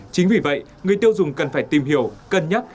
chính vì vậy người tiêu dùng cần phải tìm hiểu cân nhắc